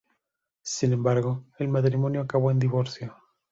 Sin embargo, el matrimonio acabó en divorcio.